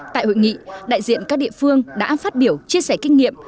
tại hội nghị đại diện các địa phương đã phát biểu chia sẻ kinh nghiệm